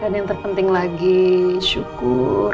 dan yang terpenting lagi syukur